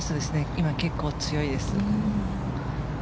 今、結構強いです。